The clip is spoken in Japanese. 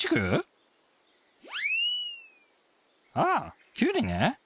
ああキュウリね。